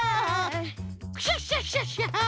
クシャシャシャシャ！